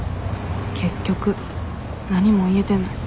結局何も言えてない。